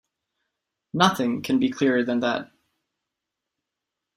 Nothing can be clearer than that.